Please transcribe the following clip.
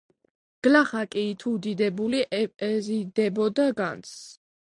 გლახაკი თუ დიდებული ეზიდებოდა განძს,